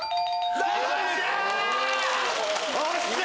よっしゃ！